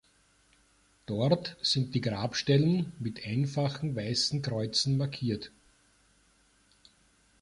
Dort sind die Grabstellen mit einfachen weißen Kreuzen markiert.